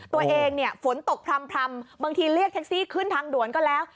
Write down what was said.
ตัวเองเนี่ยฝนตกพร่ำบางทีเรียกแท็กซี่ขึ้นทางด่วนก็แล้ว